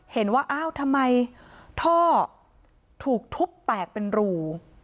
เห็นว่าอ้าวทำไมท่อถูกทุบแตกเป็นรู